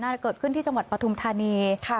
น่าจะเกิดขึ้นที่จังหวัดปทุมธาณี